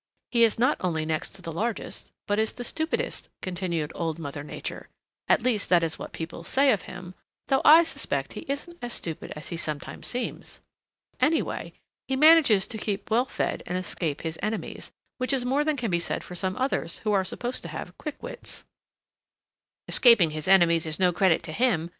"He is not only next to the largest, but is the stupidest," continued Old Mother Nature. "At least that is what people say of him, though I suspect he isn't as stupid as he sometimes seems. Anyway, he manages to keep well fed and escape his enemies, which is more than can be said for some others who are supposed to have quick wits." "Escaping his enemies is no credit to him.